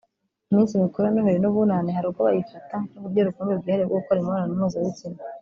iminsi mikuru ya Noheri n’Ubunani hari ubwo bayifata nk’uburyo rukumbi bwihariye bwo gukora imibonano mpuzabitsina